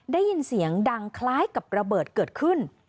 ได้ยินเสียงดังคล้ายกับระเบิดเกิดขึ้น